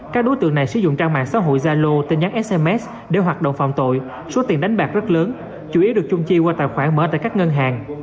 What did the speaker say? các đối tượng này sử dụng trang mạng xã hội zalo tin nhắn sms để hoạt động phạm tội số tiền đánh bạc rất lớn chủ yếu được chung chi qua tài khoản mở tại các ngân hàng